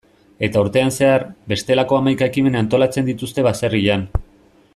Eta urtean zehar, bestelako hamaika ekimen antolatzen dituzte baserrian.